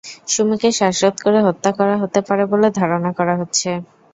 সুমীকে শ্বাসরোধ করে হত্যা করা হতে পারে বলে ধারণা করা হচ্ছে।